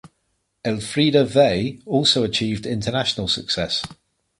Elfriede Vey also achieved international success.